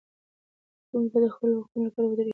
زده کوونکي باید د خپلو حقوقو لپاره ودریږي.